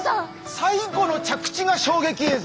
最後の着地が衝撃映像！